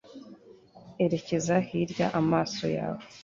erekeza hirya amaso yawe